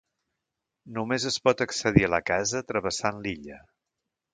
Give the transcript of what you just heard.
Només es pot accedir a la casa travessant l'illa.